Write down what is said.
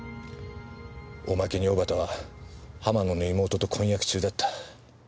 おまけに小幡は浜野の妹と婚約中だった。